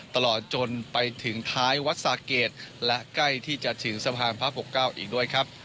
ตลอดจนไปถึงท้ายวัดสาเกตและใกล้ที่จะถึงสะพานพระปกเก้าอีกด้วยครับ